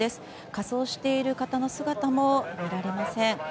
仮装している方の姿も見られません。